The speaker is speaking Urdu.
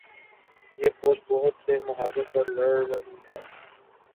یہ فوج بہت سے محاذوںپر لڑ رہی ہے۔